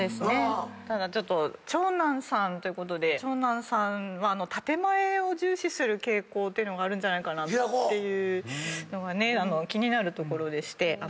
ただちょっと長男さんということで長男さんは建前を重視する傾向っていうのがあるんじゃないかなというのが気になるところでして。